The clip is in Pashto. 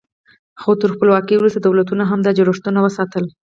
خو تر خپلواکۍ وروسته دولتونو هم دا جوړښتونه وساتل.